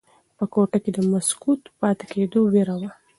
په کوټه کې د مسکوت پاتې کېدو ویره وه.